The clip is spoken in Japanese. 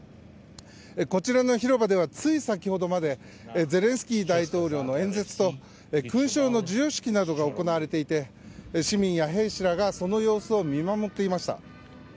こちらの広場ではつい先ほどまでゼレンスキー大統領の演説と勲章の授与式などが行われていて市民や兵士らがその様子を見守っていました。